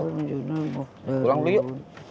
pulang dulu yuk